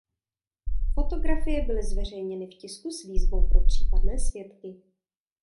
Fotografie byly zveřejněny v tisku s výzvou pro případné svědky.